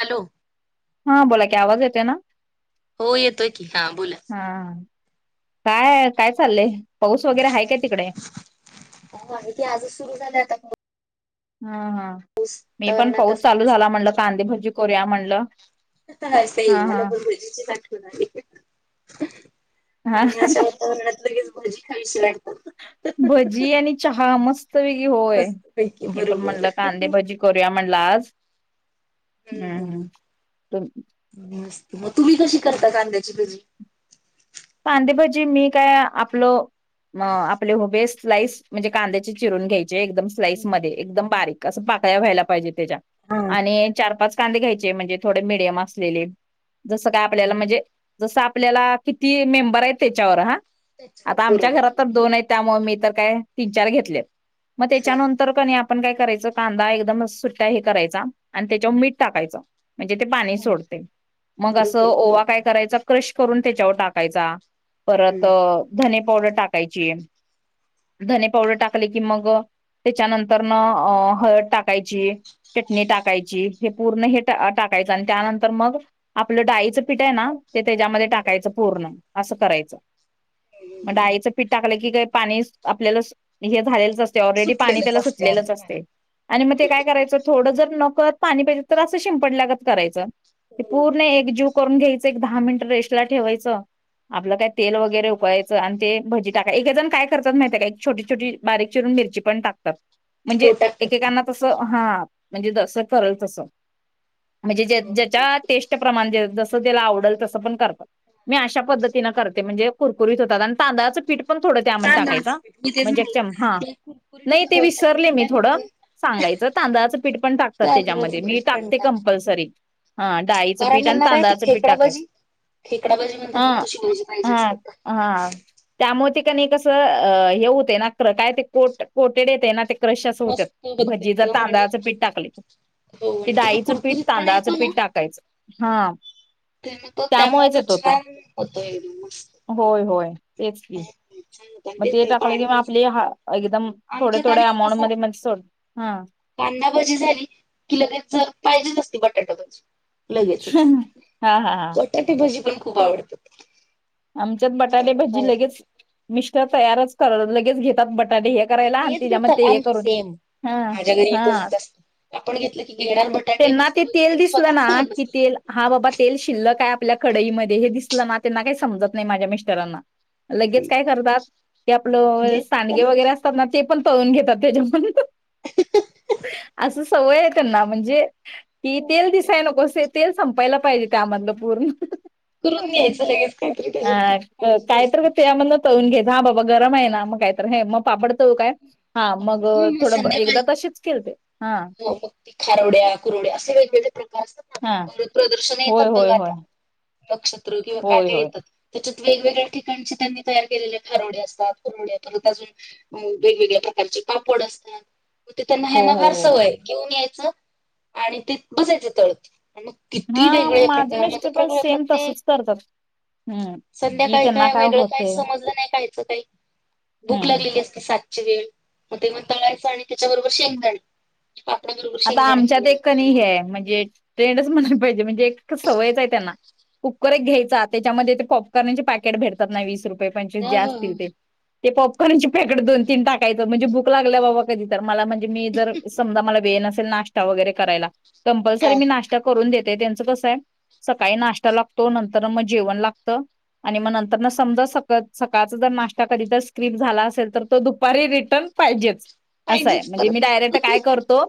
Hello? हं, बोला की, आवाज येतोय ना? हो येतोय की, हां बोला. हां, काय-काय चाललंय? पाऊस वगैरे हाय काय तिकडे? हो आहेकी, आजच सुरु झालाय, आता. हां, हां, मी पण वातावरणात पाऊस असली चालू मस्त. झाला, म्हणल कांदेभजी करूया म्हणलं. [unintelligible] स हा हा मला पण भजीचीच आठवण आली. हा आणि अशा वातावरणात, लगेच भजी खावीशी वाट भजी आणि चहा मस्त पैकी होय, मस्त पैकी हे पण बरोबर म्हणलं कांदे, भजी करूया, म्हणल आज. हम्म तुम हम्, मस्त मग तुम्ही कशी करता, कांद्याची भजी? कांदे, भजी मी काय आपलं, म आपले ऊभे स्लाईस म्हणजे कांद्याचे चिरून घ्यायचे, एकदम स्लाईस मध्ये, एकदम बारीक, असं पाकळ्या व्हायला पाहिजे त्याच्या हा आणि चार पाच कांदे घ्यायचे, म्हणजे थोडे मिडियम असलेले. जसं काय आपल्याला, म्हणजे जसं आपल्याला किती मेंबर य, त्याच्यावर हां. त्याच्यावर आता आमच्या बरोबर घरात, तर दोन आहेत, त्यामुळे मी तर काय तीन, चार घेतलेत, मग हा त्याच्यानं तर कणी आपण काय करायचं, कांदा एकदम सुट्ट्या हे करायचा आणि त्याच्यावर मीठ टाकायचं. म्हणजे ते पाणी सोडते, मग असं बरोबर हो ओवा, काय करायचा, क्रश करून त्याच्यावर टाकायचा. परत हम्म. धने पावडर टाकायची. धने पावडर टाकले की मग त्याच्यानंतर न अ हळद टाकायची चटणी टाकायची हे पूर्ण हे टा आ टाकायचं आणि त्यानंतर मग आपलं डाळीचं पीठ आहे ना ते त्याज्यामध्ये टाकायचं पूर्ण असं करायचं डाळीचं पीठ टाकलं की काय पाणीस आपल्यालास हे झालेच अस चे ऑलरेडी पाणी सुटलेलंच त्याला असतं आणि सुटलेलंच पाणी असते आणि म ते काय बरोबर करायचो थोडं जर नकत पाणी पाहिजे तर अस शिंपडलागत करायच हे हो. पूर्ण एक जुक करून घ्यायचं एक दहा मिनिट रेस्टला ठेवायचं. आपलं काय तेल वगैरे उकळायचं आणि ते भजी टाकाय एक जण काय करतातत माहितय आहे काय छोटी छोटी बारीक चिरून मिरची पण टाकतात. म्हणजे हो टाकतात की एकेकांना तसं हा म्हणजे दसं करल तसं. म्हणजे ज्या हो तेच ज्याच्या की टेस्ट प्रमाण ज जसं त्याला आवडेल तसं पण करता. मी अशा पद्धतीनं करते म्हणजे कुरकुरीत होतात आणि तांदळाचं पीठ पण थोड त्या मन तांदळाचं टाकायचां पीठ मी तेच म्हणजे म्हणलं हा की कुरकुरीत नाही ते खावसाठी विसरले मी काय थोडं करते सांगायचं तांदळाचं पीठ पण टाकतात तांदळाचं त्याच्यामध्ये मी पीठ पण टाकते कंपल्सरी. हा डाळीचं कारण पीठ आणि ह्यांना काय ते तांदळाचं पीठ खेकडा टाकायचं. भाजी खेकडा भाजी म्हणतात मंग हा तो शुमोजी पाहिजे हा असतात का? हा. त्यामुळे ते का नाही कसं अ हे होते ना क्र काय ते कोट कोटेड येते ना ते क्रश असं होत्यात मस्त बघते भजी जर एकदम आणि तांदळाचं पीठ टाकले. हो ते आणि तो जो डाळीचं पीठ, कुरकुरीतपणा तांदळाचं येतो ना पीठ टाकायचं. हा त्यामुळेच येतो. काय होतोय म. होय होय तेच की. हे छान आणि म ते तेच टाकलं पाणी कि म जास्त आपले हा एकदम आमच्यात थोड्या-थोड्या आणि अमाऊंट कसं मध्ये म्हण सोड हा. कांदा भजी झाली की लगेच जर पाहिजेच असती बटाटा भाजी. लगेचच हा हा हा बटाटे भजी पण खूप आवडतात. आमच्यात बटाटे त्यामुळे भजी काय लगेच मिश्त्या तयारच करालो लगेच घेतात बटाटे हे करायला आणि तेच तेज्या म घेतात ते हे आम करून सेम हा माझ्या घरी हा. तसच असतं. आपण घेतलं की घेणार बट त्यांना ते तेल दिसलं ना कि तेल हा बाबा तेल शिल्लक हाय आपल्या कडईमध्ये हे दिसलं ना त्यांना काही समजत नाही माझ्या मिस्टरांना. लगेच काय करतात की आपलं घे सांडगे चला. वगैरे अस तात ना ते पण तळून घेतात त्याच्यामध्ये तो असं सवय आहे त्यांना म्हणजे कि तेल दिसाय नकोय से तेल संपायला पाहिजे त्यामधलं पूर्ण. करून आंय घ्यायचं लगेच काहीतरी त्याच्यात पाहिजेच कायतरी असतं. गं तेळामधन तळून घेत हा बाबा गरम आहे ना मग काहीतर हे मग पापड तळू काय? हा मग थोडं ब एकदा तशीच केलते हा. फक्ती खारवड्या कुरूड्या असे वेगवेगळे प्रकार असतं. हा [unintelligible] प्रदर्शन होय येतात बघ होय होय आता नक्षत्र किंवा काय होय काय होय येतात. त्याच्यात वेगवेगळ्या ठिकाणचे त्यांनी तयार केलेले खारोडे असतात कुरुमुड्या परत अजून मग वेगवेगळ्या प्रकारचे पापड असतात. म ते तर त्यांना हो ह्याना हो फार हो सवय घेऊन यायचं आणि ते बसायचं तळत आन मग हा किती वेगळे माझे प्रकार म तो मिस्टर पण प्रगळ होतात सेम ते. तसच करतात हम्म की संध्याकाळी त्यांना काय वेगळं काही होतय समजलं नाही काही सकाळी भूक हम्म लागलेली असते सातची वेळ, मग ते म तळायचं आणि त्याच्याबरोबर शेंगदाणे. पापडा बरोबर आता शेंगदाणे आमच्यात खायला एक कणी खायला हे आवडत म्हणजे ट्रेंडच म्हणाले पाहिजे म्हणजे एक सवयच आहे त्यांना. कुकर एक घ्यायचा त्याच्यामध्ये ते पॉपकॉर्नचे पॅकेट भेटतात ना, वीस रुपये पंचवीस जे हो हो हो असतील ते. ते पॉप कॉन चे पॅकेट दोन तीन टाकायचं म्हणजे भूक लागल्या बाबा कधी तर मला म्ह मी जर समजा मला वेळ नसेल ना नाष्टा वैगरे करायला, हा कंपल्सरी हा मी नाष्टा त्या करून दे त्यात त्यांचं कसं आहे सकाळी नाश्ता लागतो, नंतर मग जेवण लागत. आणि मग नंतर ना समजा स सकाळच जर नाष्टा कधी जर स्क्रिप झाला असेल तर, तो दुपारी रिटर्न पाहिजे. असं आहे पाहिजेच म्हणजे मी परत डायरेक्ट काय करतो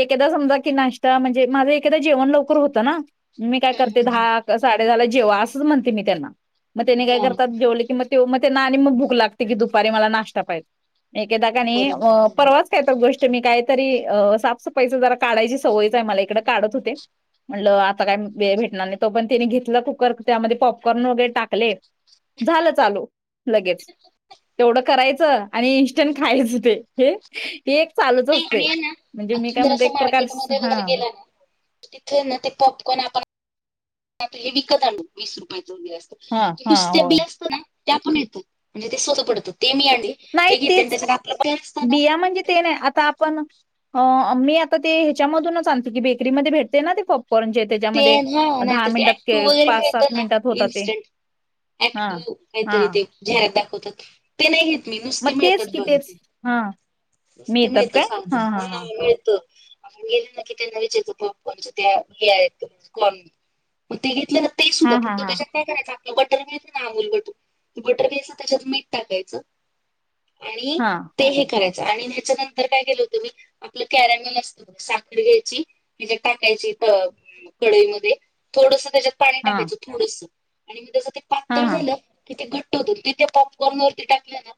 एकदा समजा की नाष्टा म्हणजे माझं एकदा जेवण लवकर होतं ना, मी काय करते हा धा साडे दहा ला जेवा असंच म्हणते मी त्यांना, मग त्यांनी काय करतात जेवलं की मग ते म ते ना आणि मग भूक लागते की दुपारी मला नाष्टा पाहिजे, एक एकदा आणि बरोबर हो हो परवाच त्यात गोष्ट मी काय तरी अ साफसफाईच जरा काढायची सवयच आहे मला इकडें काढत होते. म्हटलं आता काय वेळ भेटणार नाही तो पर्यंत त्यानी घेतला कुकर त्यामध्ये पॉपकॉर्न वगैरे टाकले. झालं चालू. लगेच तेवढं करायचं आणि इनस्टंट खायचं ते हे ते एक चालूच नाही असतंय, आणि आहे ना म्हणजे मी काय म्हणते एक प्रकारच हा तिथं हेना ते पॉपकॉर्न आपण आता हे विकत आणू वीस रुपयाचं बिल हा हा हो नूस्त. [unintelligible] त्या पण ये त्यात म्हणजे ते स्वस्त पडतं, ते मी आणल नाही ते घेते तेच आणि आपलंय पर्याय नसताना ना. बिया म्हणजे ते नाही आता आपण. अ मी आता ते हेच्या मधूनच आलते की बेकरीमध्ये भेटते ना ते पॉप कॉनचे ते हं नाहीतर ते एकटु वगैरे पाच येते सात ना मिनिटात होतात ते इन्स्टंट हा एकटू हा काहीतरी जाहीरात दाखवतात. ते नाही घेत मी मग नुसती तेच मिळतात कि बघ. तेच हा नुसती मिळत सां हा मिळत. आपण गेले ना ते लगेच इचारतात पॉपकॉर्न त्या घायचे पॉपकॉर्न मग ते घेतल्यात. हा हा [unintelligible] कशात हा काय. काय करायचं आपलं बटर मिळत ना अमूल बटर बटर घ्यायचं त्याच्यात मीठ टाकायचं. आणि हा ते हे करायचं आणि हच्या नंतर काय केलं होतं मी. आपलं कॅरॅमल असतं साखर घ्यायची, त्याच्यात टाकायची त कडईमध्ये थोडसं त्याच्यात पाणी हा हा टाकायचं थोडसं आणि मग हा पातळ हा झालं कि ते घट्ट होत, ते पॉपकॉर्न वरती टाकलं ना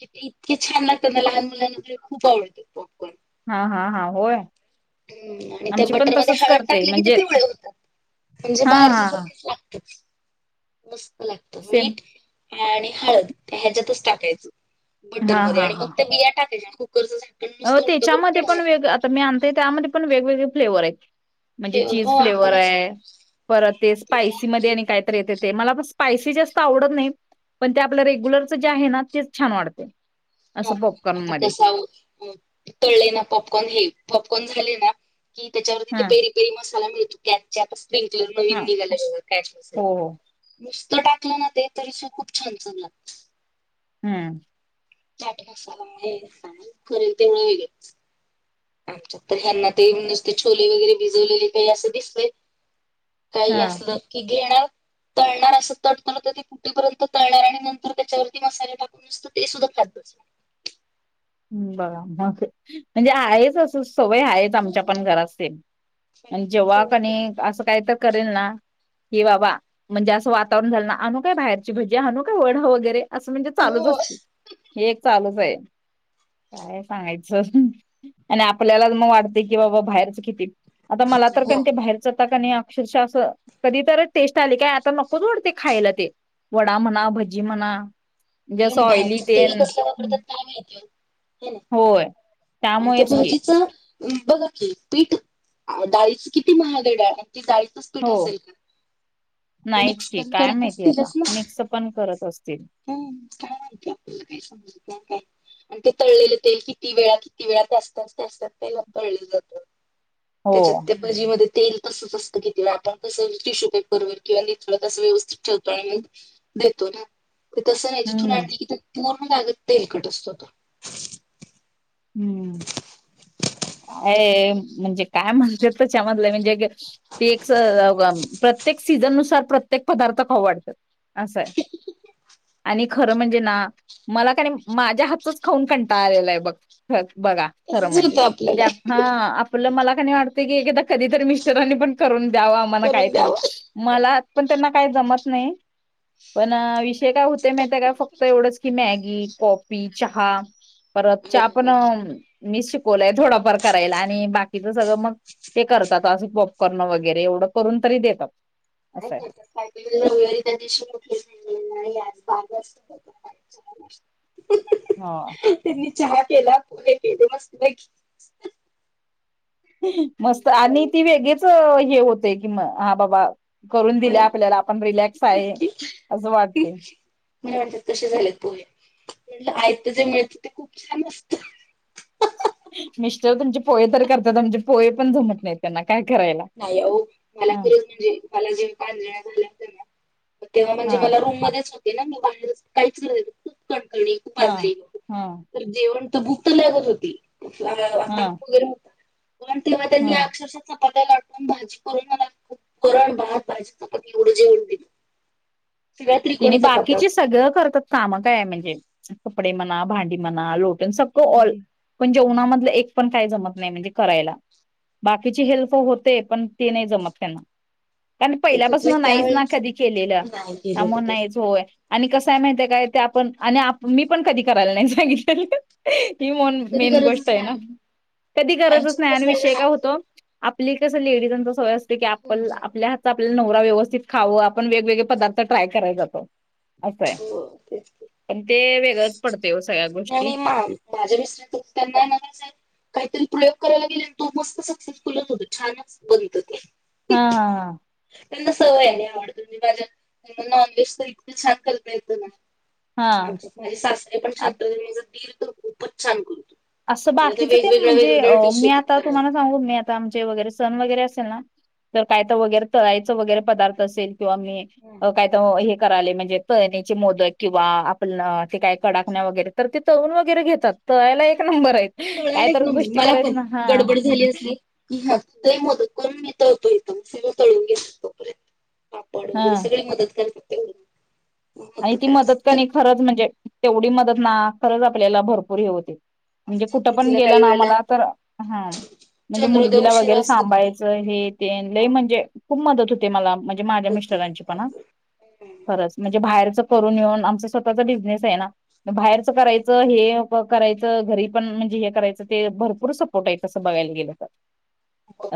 ते इतके छान लागतात ना लहान मुलांना खूप आवडतं पॉपकॉन. हा हा हा होय. हम आणि त्या आमची पण बटरमध्ये तसच हळद करते टाकली कि ते म्हणजे पिवळे होतात. म्हणजे हा हा बाहेरच्या हा सारखेच लागतात. मस्त लागतात सेम मीठ आणि हळद त्या हेच्यातच टाकायच. बटर हा मध्ये हा आणि हा मग त्या बिया टाकायच्या आणि कुकरच अ त्याच्यामध्ये पण वेग आता मी आणतोय त्यामध्ये पण वेगवेगळे फ्लेवर आहेत. म्हणजे चीज हो फ्लेवर आपणच आहे परत ते त्या स्पायसी मध्ये आणि कायतरी येते ते मला ब स्पायसी जास्त आवडत नाही, पण ते आपलं रेग्युलरच जे आहे ना तेच छान वाटतं. हो आता कसं तळलेला पॉपकॉर्न हे पॉपकॉर्न झाले ना कि त्याच्यावर ते हा पेरी तीळ मसाला मिळतो कॅचाप चे आता स्प्रिंग जेल हा नवीन हो निघाला कॅच मसाला. हो नुसतं टाकलं नां ते तरी सो खूंप छान चाललां हम्मं चाट मसांला खरेल ते मिळेल आमच्या तरं हेना ते म्हणजे ते छोले वगैरें भिजवलेले कांहीं असं दिसतंय कांहीं हा असलं की घेणारं तळणांर असं तुटतं नां तरं फुठेपर्यंत तळणांर आणि नंतर त्यांच्यावरची मसाले टाकूंन नसतं ते सुद्धां खातांत बघां मंग म्हणजे आहेचं असं सवयं आहेचं आमच्या पणं घरांत सेम आणि जेंव्हा कणी असं कांहीं तरं करेल नां हे बाबां म्हणजे असं वातांवरण झालं नां अनूं कायं बाहेरची भजी आणूं कायं वणं वगैरें असं म्हणजे हो चालूंच असतं हे एक चालूंच आहे कायं सांगायचं आणि आपल्यांला मंग वाटते कि बाबां बाहेरचं किती आंता मलां तरं कोण ते बाहेर जातं कां नाहीं अक्षरशः असं कधीं तरं टेस्ट आली कायं आंता नकोच ढते खांयला ते वडां म्हणां भजी म्हणां आणि बाहेरच तेल कसंला वापरतांत कायं माहिती आहे नां होयं आणि त्यां भाजीचा बघां की पीठ डाळीच किती महांगई डाळं आणि ती डाळीचं पीठ हो असेल कां नाहीच मिक्स की पणं काय करतं माहिती आता असतीलचं नां मिक्स पण करत असतील हम्मं कायं नाहीं कां कां समजां कायं आणि ते तळलेले तेल किती वेळांत वेळांत असतंच ते असतांत ते वा पळले जातं हो त्यांच्यात ते भजीमध्ये तेल तसंच असतं घेतं आपणं कसं उंच शकतोय पर्वर किंवा निथळ तसं व्यवस्थित ठेवतो आणि मं देतो नां ते तसं नाहीं तिथूंन हम्म आणलं की पूर्ण लागतं तेलकटं असतो तो हम्मं कायं म्हणजे कायं म्हणतं त्यांच्या मधलं म्हणजे तेी एक प्रत्येक सीझन नुसांर प्रत्येक पदार्थ खाऊं वाटतांत असे आणि खरं म्हणजे नां मलां कां नाहीं माझ्या हातचं खाऊंन कंटा आलेला आहे बघं खरं बघां खरं तसंच म्हणजे होतं आपल्याला यां हां आपलं मलां कां नाहीं वाटतं की एखांदा कधींतरी मिस्टरांनी पणं करूंन द्यावं आम्हांला करून कांहींतरी द्यावं मलां आं पणं त्यांना कांहीं जमतं नाहीं पणं विषय कायं होते माहित कायं फक्तं एवढंच मॅगी कॉपी चहा परंत हो हो मी शिकवलंय थोडांफार करांयला आणि बाकी तिथं सगळं मंग ते करतांत असं पॉपकॉर्न वगैरें एवढं करूंन तरी देतांत नाहीं नाहीं कायं रविवारी त्यां दिवशी मोठली झां नाहीं आं बांग असं [unintelligible] हं त्यांनी चहा केलां पोले केले मस्तं बी मस्तं आणि ती वेगळेच हे होते कि हां बाबां करूंन दिल्यां मला आपल्याला आपणं रिलॅक्स आहे असं वाटते मं म्हणतांत तसे झालेत पो म्हं आयत जे मिळतं ते खूंप छान असतं मिस्टर तुमचे पोहे तरं करतांत आमचे पोहे पणं झुमतं नाहींत त्यांना कायं करायंला नाहीं मलां खरंच म्हणजे मलां जेंव्हा कां देण्यांत आलं हो तेंव्हा हा म्हणजे मलां रूंम मध्येचं हो ते नां मं कांहींचं खूंप कणकणी खूंप हा आजारी हा जेवण तर भुकत [unintelligible] लागत होती. हा! गेलो तेव्हा त्यांनी हा अक्षरक्षा चपात्या काढू पण भाजी करून मला, वरन भात भाजी चपाती एवढं जेवन दे. तिने बाकीचे सगळं करतात काम काय आहे म्हणजे, कपडे म्हणा, भांडी म्हणा, लोटण सगळं ऑल. हम्म. म्हणजे उन्हामधलं एक पण काय जमत नाही म्हणजे करायला. बाकीची हेल्प होते, पण ते नाही जमत त्यांना. त्यान पहिल्यापासन नाहीच त्यावेळी ना कधी केलेलं. नाही केलेलं ते झोय आणि कसंय माहिती आहे काय ते आपण आणि आप मी पण कधी करायला नाही सांगितलं. ही नाही मोन ना कधी मेन गरजच गोष्ट आहे ना, लागत कधी गरजच आमच्यात नाय अन कसं आहे विषय जरा काय होतो. आपली कसं लेडीजांचा सवय असते की हम्म आपन हम्म. आपल्याहात. आपल्याला नवरा व्यवस्थित खावं आपण वेगवेगळे पदार्थ ट्राय कराया जातो. असंय हो तेच की. पण ते वेगळंच पडतंय ओ सगळ्या नाही गोष्टी. नाही मा माझ्या मिस्टर तूप त्यांना न कस. काहीतरी प्रयोग करायला गेले तो मस्त सक्सेसफुलच होतो छानच बनत ते. हा हा हा! त्यांना सवय आहे नाही आवडत नी माझ्या नॉन व्हेज त इतक छान करता येतं ना. हा आमच्या त माझे सासरे पण हा [unintelligible] माझा दीर तर खूपच छान करतो. असं आणि ते बाकीचं तेन वेगवेगळ्या म्हणजे अ वेगवेगळ्या डिश मी येतात आता करायला. तुम्हाला सांगू मी आता आमचे वगैरे सण वगैरे असेल ना. तर काय त वगैरे तळायच वगैरे पदार्थ असेल किंवा मी काय त हे. कराले म्हणजे तळणीचे मोदक किंवा आपन ते काय कडाकण्या वगैरे तर ते तळून वगैरे घेतात. तो यायला एक नंबर आहे. कळालच नाही मला पण गडबड झाली असली. तूय मोदकं करून नितळतो इथ सि तळून घेत तोपर्यंत. पापड हा वगैरे सगळे मदत करतात तेवढी. मग आणि ती काय मदत कनी खरंच म्हणजे तेवढी मदत ना खरंच आपल्याला भरपूर हे होते. म्हणजे कुठं पण चतुर्थीला गेलं काही ना वेळेला आम्हाला तर हा म्हणजे चंद्रोदय मुलगीला उशिरा वगैरे असतो की नाही सांभाळयचं हे ते लयी हा म्हणजे खूप मदत होते मला म्हणजे माझ्या होती मिस्टरांची होती पण हा खरंच म्हणजे. जे बाहेरच करून येऊन आमचा स्वतःचा बिजनेस आहे ना म बाहेरच कराय च हे करायचं घरी पण म्हणजे हे करायचं, ते भरपूर सपोर्ट आहे तसं बघायला गेलं तर.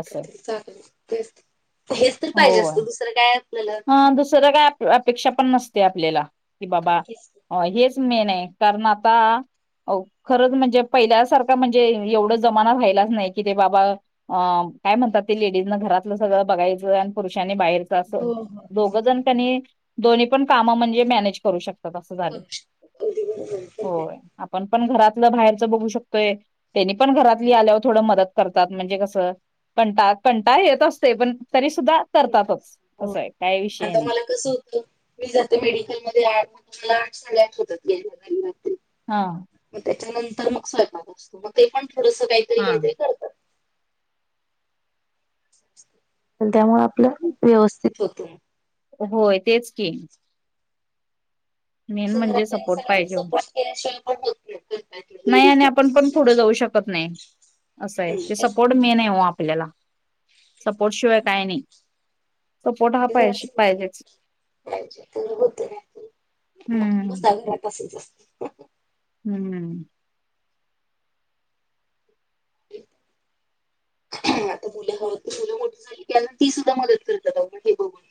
असं तर पाहिजे होय. असतं दुसरं काय आपल्याला. अ दुसरं काय अप-अपेक्षा पण नसते आपल्याला कि बाबा. अ हेच मेन आहे कारण आता. अ खरंच म्हणजे पहिल्यासारखा म्हणजे एवढ जमाना राहिलाच नाही कि ते बाबा. अ काय म्हणतात ते लेडीजन घरातलं सगळं बघायचं आणि पुरुषांनी बाहेरचं असं. हो हो दोघजण त्यांनी दोन्ही पण काम म्हणजे मॅनेज करू शकत. तात अस झाल करू शकतो अगदी बरोबर आहे. होय आपण पण घरातलं बाहेरच बघू शकतोय. त्यांनी पण घरातली आल्यावर थोडं मदत करतात म्हणजे कसं कंटा-कंटाळा येत असतेय पण तरी सुद्धा येत असत करतातच हो असं आहे. काही विषय आता नाही मला कसं हो मी जाते मेडिकलमध्ये आठ, आठ साडे आठ होतात यायला. [unintelligible] हा! मग त्याच्यानंतर मग स्वयपाक असतो मग ते पण थोडस काही. हा! अन् त्यामुळ आपल व्यवस्थित होत. होय तेच की. मेन अस म्हणजे घरातल्यानी सपोर्ट सगळ्यांनी पाहिजे सपोर्ट केल्याशिवाय पण होत नाही. करतात नाही आणि लेडीजला आपण पण पुढ जाऊ शकत नाही. असं आहे ते सपोर्ट मेन हाय ओ आपल्याला. सपोर्ट शिवाय काय नाही. सपोर्ट हा जर पैशी असेल पाहिजेच. पाहिजे तर होते नाहितर मग हम्म बसायला मिळतच असल. हम्म. हम्म आता मुलं हवं तर मुलं मोठी झाली की ती सुद्धा मदत करतात आपण हे बघून.